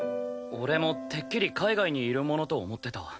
俺もてっきり海外にいるものと思ってた。